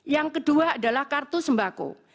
yang kedua adalah kartu sembako